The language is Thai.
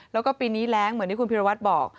แล้วก็ปีนี้แรงเหมือนที่คุณพิรวัตรบอก